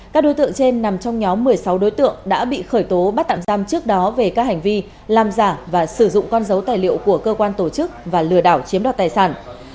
các đối tượng trên nằm trong nhóm một mươi sáu đối tượng đã bị khởi tố bắt tạm giam trước đó về các hành vi làm giả và sử dụng con dấu tài liệu của cơ quan tổ chức và lừa đảo chiếm đoạt tài sản